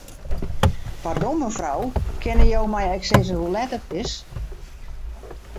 Pardon, mefrou, kinne jo my ek sizze hoe let it is?